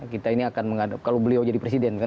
kita ini akan menghadapi kalau beliau jadi presiden